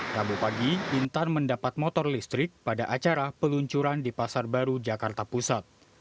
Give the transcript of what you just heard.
rabu pagi intan mendapat motor listrik pada acara peluncuran di pasar baru jakarta pusat